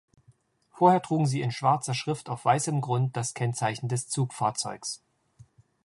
Vorher trugen sie in schwarzer Schrift auf weißem Grund das Kennzeichen des Zugfahrzeugs.